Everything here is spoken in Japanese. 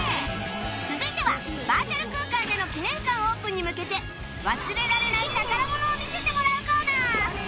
続いてはバーチャル空間での記念館オープンに向けて忘れられない宝物を見せてもらうコーナー